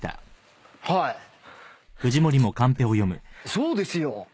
そうですよ。